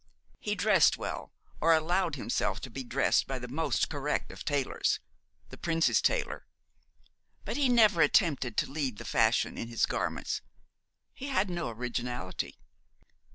He dressed well, or allowed himself to be dressed by the most correct of tailors the Prince's tailor but he never attempted to lead the fashion in his garments. He had no originality.